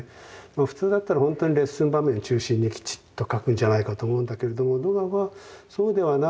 普通だったらほんとにレッスン場面中心にきちっと描くんじゃないかと思うんだけれどもドガはそうではない。